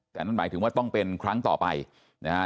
แต่นั่นหมายถึงว่าต้องเป็นครั้งต่อไปนะฮะ